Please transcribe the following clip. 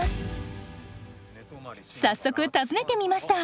早速訪ねてみました。